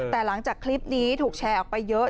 แต่หลังจากคลิปนี้ถูกแชร์ออกไปเยอะ